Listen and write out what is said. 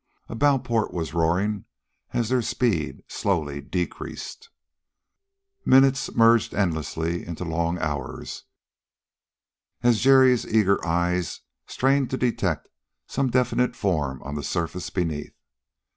A bow port was roaring as their speed slowly decreased. Minutes merged endlessly into long hours as Jerry's eager eyes strained to detect some definite form on the surface beneath.